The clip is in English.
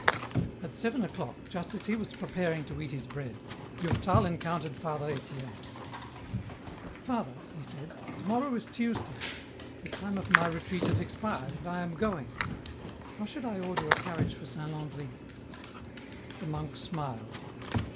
At seven o'clock, just as he was preparing to eat his bread, Durtal encountered Father Etienne. *' Father," he said, " to morrow is Tuesday ; the time of my retreat has expired, and I am going ; how should I order a carriage for Saint Landry ?" The monk smiled.